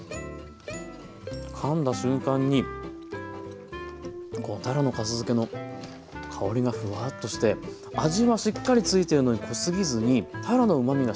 かんだ瞬間にこうたらのかす漬けの香りがふわっとして味はしっかりついてるのに濃すぎずにたらのうまみがしっかりとついてますね。